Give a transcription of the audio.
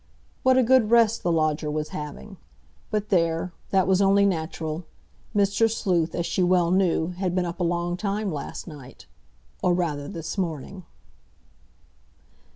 What a good rest the lodger was having! But there, that was only natural. Mr. Sleuth, as she well knew, had been up a long time last night, or rather this morning.